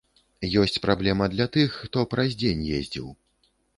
Ёсць праблема для тых, хто праз дзень ездзіў.